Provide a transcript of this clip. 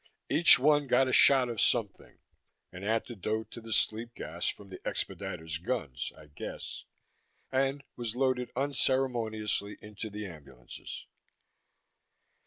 Each one got a shot of something an antidote to the sleep gas from the expediters' guns, I guessed and was loaded unceremoniously into the ambulances.